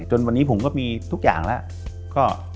จนวันนี้ผมก็มีทุกอย่างแล้ว